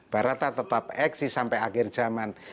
barata tetap eksis sampai akhir zaman